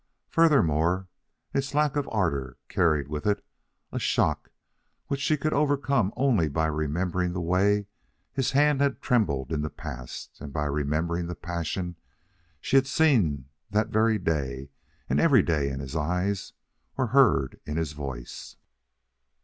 Furthermore, its lack of ardor carried with it a shock which she could overcome only by remembering the way his hand had trembled in the past, and by remembering the passion she had seen that very day and every day in his eyes, or heard in his voice.